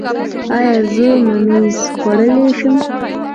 ایا زه ممیز خوړلی شم؟